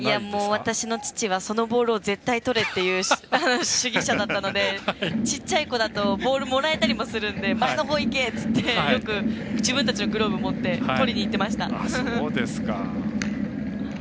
私の父はそのボールを絶対とれって主義者だったのでちっちゃい子だとボールをもらえたりもするので前のほう行け！って言われてよく自分たちのグローブ持ってとりにいってました。